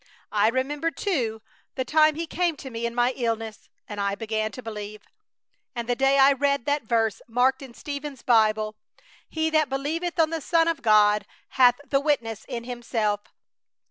I remembered, too, the time He came to me in my illness and I began to believe; and the day I read that verse marked in Stephen's Bible, "He that believeth on the Son of God hath the witness in himself."